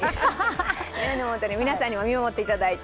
皆さんにも見守っていただいて。